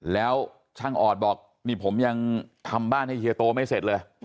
แล้วช่างออดบอกนี่ผมยังทำบ้านให้เฮียโตไม่เสร็จเลย